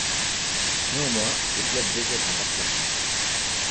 Néanmoins, le club végète en bas de classement.